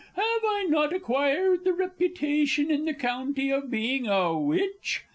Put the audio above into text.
Have I not acquired the reputation in the County of being a witch?